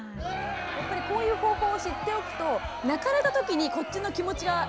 やっぱりこういう方法を知っておくと泣かれたときにこっちの気持ちがちょっと楽になりますよね。